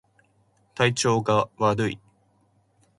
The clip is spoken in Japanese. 体調が悪い